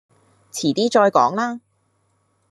遲啲再講啦